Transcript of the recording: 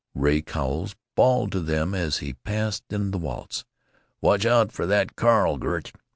Ray Cowles bawled to them, as he passed in the waltz, "Watch out for that Carl, Gert.